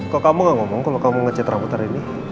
kok kamu gak ngomong kalau kamu nge chat rambut hari ini